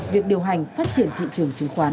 việc điều hành phát triển thị trường chứng khoán